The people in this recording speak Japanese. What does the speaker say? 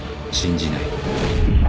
信じない？